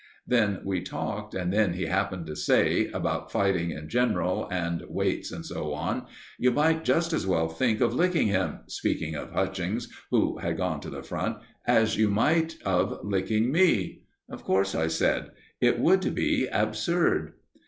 Then we talked, and then he happened to say about fighting in general and weights and so on: "You might just as well think of licking him" speaking of Hutchings, who had gone to the Front "as you might of licking me." "Of course," I said; "it would be absurd."